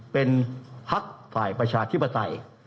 เป็นภักดิ์ฝ่ายประชาธิบัติ